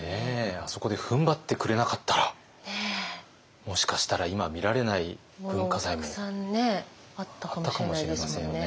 あそこでふんばってくれなかったらもしかしたら今見られない文化財もあったかもしれませんよね。